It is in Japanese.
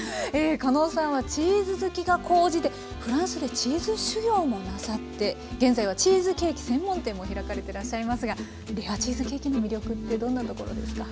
かのうさんはチーズ好きが高じてフランスでチーズ修業もなさって現在はチーズケーキ専門店も開かれてらっしゃいますがレアチーズケーキの魅力ってどんなところですか？